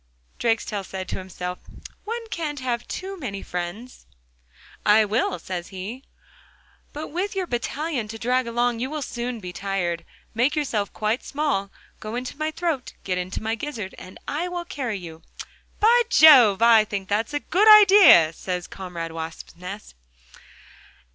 Drakestail said to himself, 'One can't have too many friends.'... 'I will,' says he, 'but with your battalion to drag along, you will soon be tired. Make yourself quite small, go into my throat—get into my gizzard and I will carry you.' 'By Jove! that's a good idea!' says comrade Wasp's nest.